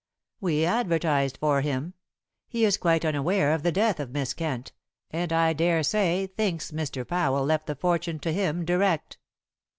"We advertised for him. He is quite unaware of the death of Miss Kent, and I daresay thinks Mr. Powell left the fortune to him direct."